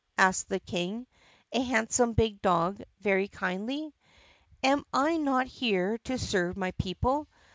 asked the King, a handsome big dog, very kindly. "Am I not here to serve my people?